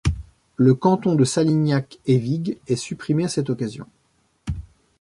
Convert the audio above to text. Le canton de Salignac-Eyvigues est supprimé à cette occasion.